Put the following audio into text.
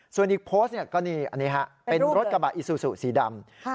ส่วนอีกโพสต์ก็นี่เป็นรถกระบะอีซูซุสีดำ